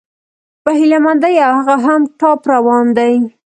په هيله مندي، او هغه هم ټاپ روان دى